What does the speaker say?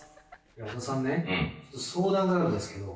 小田さん相談があるんですけど。